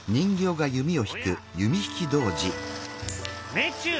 命中！